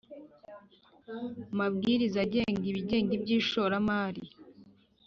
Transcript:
Mabwiriza agenga ibigega by ishoramari